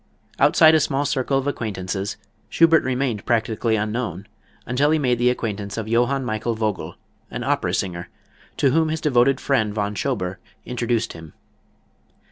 Outside a small circle of acquaintances, Schubert remained practically unknown until he made the acquaintance of Johann Michael Vogl, an opera singer, to whom his devoted friend, Von Schober, introduced him.